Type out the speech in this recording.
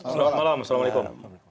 selamat malam assalamualaikum